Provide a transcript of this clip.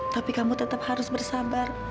tapi kamu tetap harus bersabar